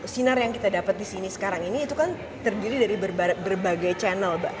sinar yang kita dapat di sini sekarang ini itu kan terdiri dari berbagai channel mbak